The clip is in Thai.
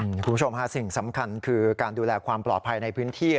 คุณผู้ชมฮะสิ่งสำคัญคือการดูแลความปลอดภัยในพื้นที่